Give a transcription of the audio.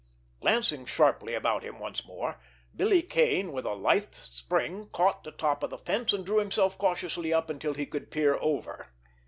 Glancing sharply about him once more, Billy Kane, with a lithe spring, caught the top of the fence, and drew himself cautiously up until he could peer over.